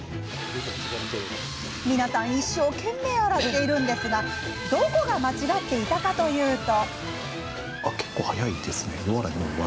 皆さん一生懸命洗っているんですがどこが間違っていたかというと。